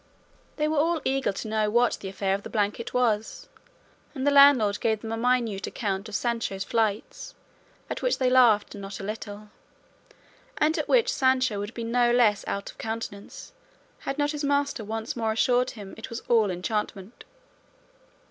They were all eager to know what the affair of the blanket was, and the landlord gave them a minute account of Sancho's flights, at which they laughed not a little, and at which Sancho would have been no less out of countenance had not his master once more assured him it was all enchantment.